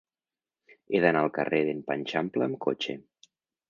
He d'anar al carrer d'en Panxampla amb cotxe.